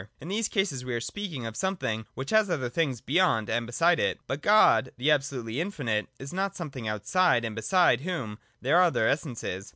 In these cases we are speaking of something which has other things beyond and beside it. But God, the absolutely infinite, is not something outside and beside whom there are other essences.